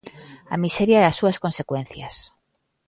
A miseria e as súas consecuencias.